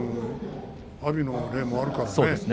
阿炎の例もあるからね。